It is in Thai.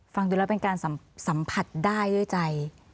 ฟังดูแล้วเป็นการสัมผัสได้ด้วยใจ